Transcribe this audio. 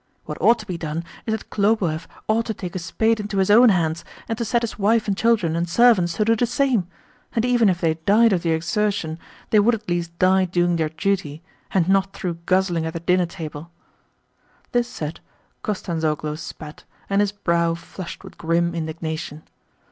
What ought to be done is that Khlobuev ought to take a spade into his own hands, and to set his wife and children and servants to do the same; and even if they died of the exertion, they would at least die doing their duty, and not through guzzling at the dinner table." This said, Kostanzhoglo spat, and his brow flushed with grim indignation.